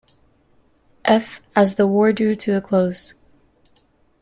F as the war drew to a close.